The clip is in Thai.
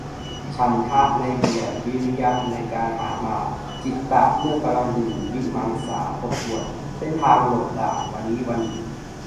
ฉันทะ-ในเบียร์ วิริยะ-ในการหามา จิตตะ-เมื่อกำลังดื่ม วิมังสา-ทบทวนเส้นทางหลบด่าน วันนี้วันหยุด